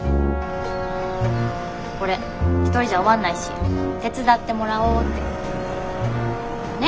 これ一人じゃ終わんないし手伝ってもらおうって。ね？